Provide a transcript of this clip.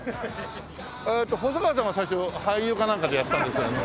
えっと細川さんは最初俳優かなんかでやってたんですよね？